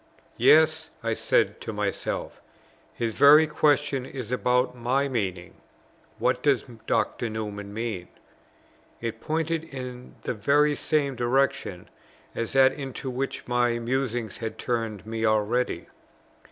Yes, I said to myself, his very question is about my meaning; "What does Dr. Newman mean?" It pointed in the very same direction as that into which my musings had turned me already.